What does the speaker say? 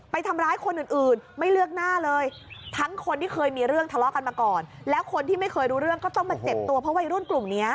ไปทำร้ายคนอื่นไม่เลือกหน้าเลยทั้งคนที่เคยมีเรื่องทะเลาะกันมาก่อนแล้วคนที่ไม่เคยรู้เรื่องก็ต้องมาเจ็บตัวเพราะวัยรุ่นกลุ่มเนี้ย